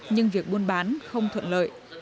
nhưng việc buôn bán không thuận lợi